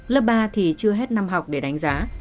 lớp ba thì chưa hết năm học để đánh giá